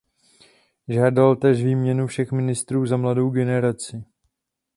Žádal též výměnu všech ministrů za mladou generaci.